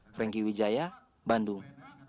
franky wijaya bandung